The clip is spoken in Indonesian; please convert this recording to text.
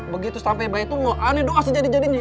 begitu sampai baik itu aneh doa sejadi jadinya